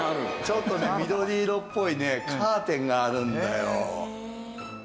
ちょっとね緑色っぽいねカーテンがあるんだよ。